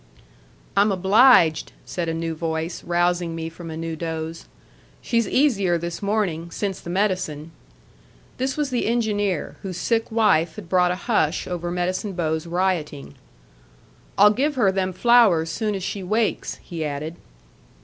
"I'm obliged," said a new voice, rousing me from a new doze. "She's easier this morning, since the medicine." This was the engineer, whose sick wife had brought a hush over Medicine Bow's rioting. "I'll give her them flowers soon as she wakes," he added.